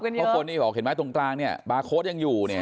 เห็นไหมตรงกลางเนี่ยบาร์โค้ดยังอยู่เนี่ย